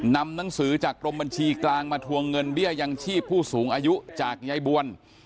นำหนังสือจากกรมบัญชีกลางมาทวงเงินเบี้ยยังชีพผู้สูงอายุจากยายบวล